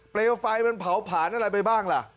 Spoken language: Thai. เลวไฟมันเผาผลาญอะไรไปบ้างล่ะ